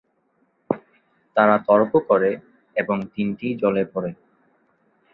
তারা তর্ক করে, এবং তিনটিই জলে পড়ে।